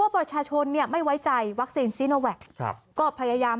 ว่าประชาชนเนี่ยไม่ไว้ใจวัคซีนซีโนแวคครับก็พยายาม